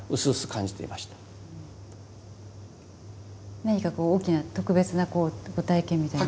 何か大きな特別なご体験みたいな。